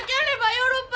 ヨーロッパ？